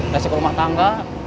kasih ke rumah tangga